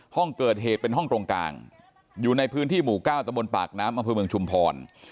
ห้องเกิดเหตุเป็นห้องตรงกลางอยู่ในพื้นที่หมู่๙ตะบนปากน้ำอำเภอเมืองชุมพร